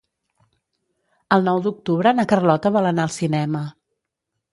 El nou d'octubre na Carlota vol anar al cinema.